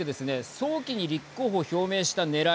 早期に立候補を表明したねらい